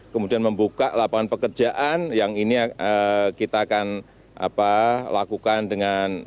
kemudian membuka lapangan pekerjaan yang ini kita akan lakukan dengan